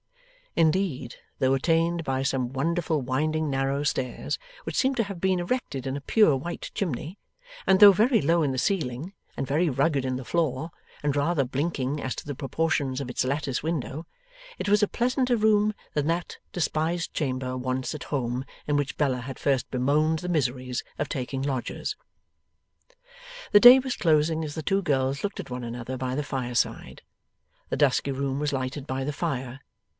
Indeed, though attained by some wonderful winding narrow stairs, which seemed to have been erected in a pure white chimney, and though very low in the ceiling, and very rugged in the floor, and rather blinking as to the proportions of its lattice window, it was a pleasanter room than that despised chamber once at home, in which Bella had first bemoaned the miseries of taking lodgers. The day was closing as the two girls looked at one another by the fireside. The dusky room was lighted by the fire.